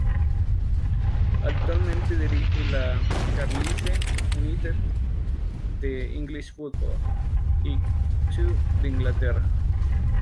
Actualmente dirige al Carlisle United de la English Football League Two de Inglaterra.